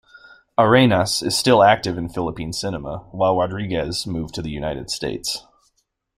Arenas is still active in Philippine cinema while Rodriguez moved to the United States.